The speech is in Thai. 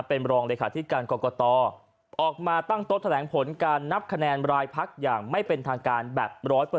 เป็นรองเลขาธิการกรกตออกมาตั้งโต๊ะแถลงผลการนับคะแนนรายพักอย่างไม่เป็นทางการแบบ๑๐๐